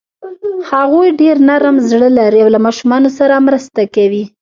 هغوی ډېر نرم زړه لري او له ماشومانو سره مرسته کوي.